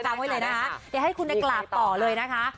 เดี๋ยวให้คุณกราบต่อเลยนะคะ